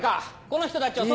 この人たちを。